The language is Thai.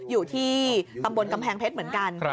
อยู่ที่ตำบลกำแพงเพชรเหมือนกัน